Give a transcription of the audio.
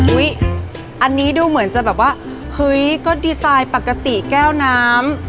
อันนี้ดูเหมือนจะแบบว่าเฮ้ยก็ดีไซน์ปกติแก้วน้ำ